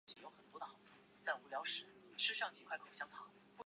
它们在制造商西门子铁路系统内部被称为。